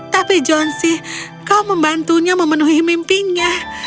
tapi johnsy kau membantunya memenuhi mimpinya